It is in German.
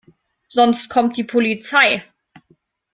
Sonst kommt die Polizei.